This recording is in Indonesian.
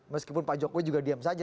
meskipun pak jokowi juga diam saja